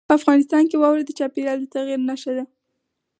افغانستان کې واوره د چاپېریال د تغیر نښه ده.